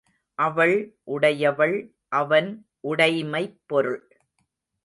அவள் உடையவள் அவன் உடைமைப் பொருள்.